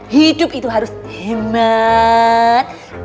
hidup itu harus hemat